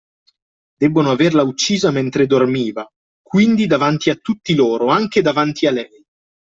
Debbono averla uccisa mentre dormiva, quindi davanti a tutti loro, anche davanti a lei!